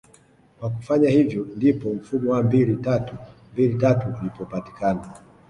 kwa kufanya hivyo ndipo mfumo wa mbili tatu mbili tatu ulipopatikana